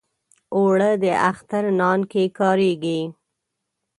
اوړه د اختر نان کې کارېږي